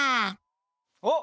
おっ！